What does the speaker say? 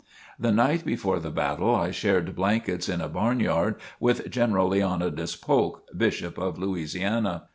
The night before the battle I shared blankets in a barnyard with General Leonidas Polk, Bishop of Louisiana.